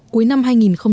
huyện nghị xuân